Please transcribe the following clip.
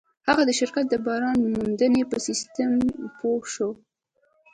هغه د شرکت د بازار موندنې په سيسټم پوه شو.